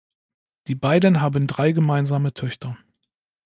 Die beiden haben drei gemeinsame Töchter.